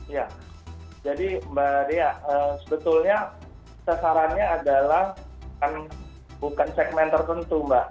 ya jadi mbak dea sebetulnya sasarannya adalah bukan segmen tertentu mbak